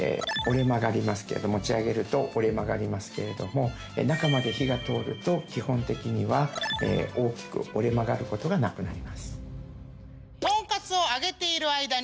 持ち上げると折れ曲がりますけれども中まで火が通ると基本的には大きく折れ曲がることがなくなります。